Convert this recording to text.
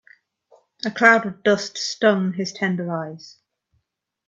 A cloud of dust stung his tender eyes.